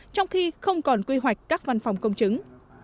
trong khi không còn quy hoạch các văn phòng công chứng